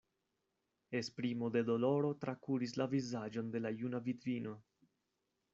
Esprimo de doloro trakuris la vizaĝon de la juna vidvino.